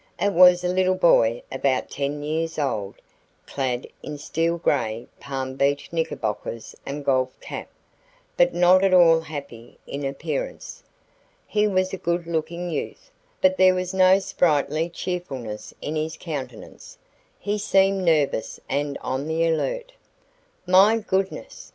It was a little boy about ten years old, clad in steel gray Palm Beach knickerbockers and golf cap, but not at all happy in appearance. He was a good looking youth, but there was no sprightly cheerfulness in his countenance. He seemed nervous and on the alert. "My goodness!"